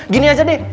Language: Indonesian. gini aja deh